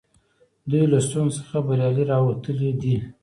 دوی له ستونزو څخه بریالي راوتلي دي.